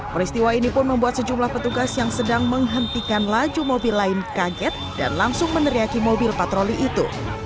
peristiwa ini pun membuat sejumlah petugas yang sedang menghentikan laju mobil lain kaget dan langsung meneriaki mobil patroli itu